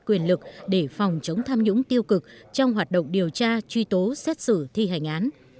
quyền lực để phòng chống tham nhũng tiêu cực trong hoạt động điều tra truy tố xét xử thi hành án